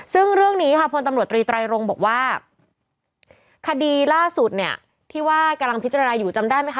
ซึ่งเรื่องนี้ค่ะพนตำรวจตรีตรายรงค์บอกว่าคดีล่าสุดเนี่ยที่ว่ากำลังพิจารณาอยู่